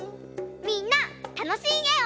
みんなたのしいえを。